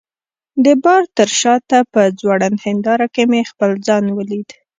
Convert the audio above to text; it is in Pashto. د بار تر شاته په ځوړند هنداره کي مې خپل ځان ولید.